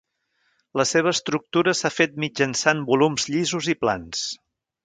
La seva estructura s'ha fet mitjançant volums llisos i plans.